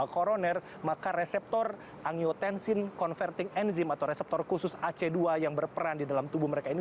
koroner maka reseptor angiotensin converting enzim atau reseptor khusus ac dua yang berperan di dalam tubuh mereka ini